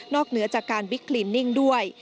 เหนือจากการบิ๊กคลินนิ่งด้วย